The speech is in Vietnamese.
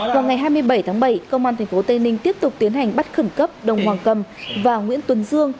vào ngày hai mươi bảy tháng bảy công an thành phố tây ninh tiếp tục tiến hành bắt khẩn cấp đồng hoàng cẩm và nguyễn tuấn dương